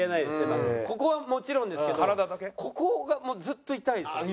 まあここはもちろんですけどここがもうずっと痛いですから。